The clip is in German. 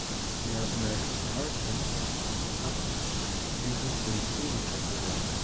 Herr McCartin hat diesen Punkt ebenfalls erwähnt.